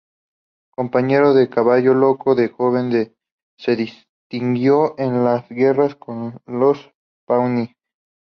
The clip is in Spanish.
Compañero de Caballo Loco, de joven se distinguió en las guerras con los pawnee.